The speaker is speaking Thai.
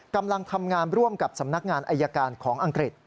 กำลังทำงานร่วมกับสำนักงานอายการของอังกฤษ